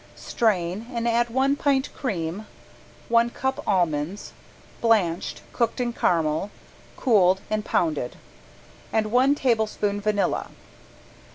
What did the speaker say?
Strain and add one pint cream, one cup almonds (blanched, cooked in caramel, cooled, and pounded), and one tablespoon vanilla.